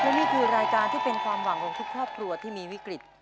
และนี่คือรายการที่เป็นความหวังของทุกครอบครัวที่มีวิกฤต